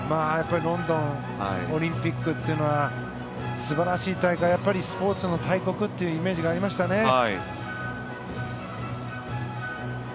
やっぱりロンドンオリンピックというのは素晴らしい大会やっぱりスポーツの大国というイメージがありましたね。